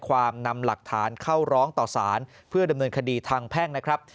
นำหลักฐานเข้าร้องต่อสารเพื่อดำเนินคดีทางแพ่งนะครับ